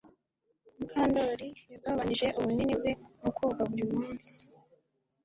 Mukandoli yagabanije ubunini bwe mu koga buri munsi